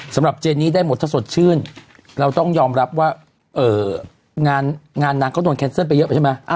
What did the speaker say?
เจนนี้ได้หมดถ้าสดชื่นเราต้องยอมรับว่างานนางก็โดนแคนเซิลไปเยอะใช่ไหม